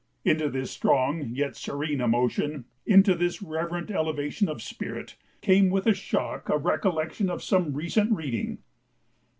Into this strong yet serene emotion, into this reverent elevation of spirit, came with a shock a recollection of some recent reading.